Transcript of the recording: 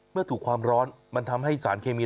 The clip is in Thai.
เมื่อถูกความร้อนมันทำให้สารเคมี